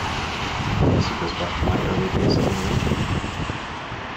I guess it goes back to my early days as an arranger.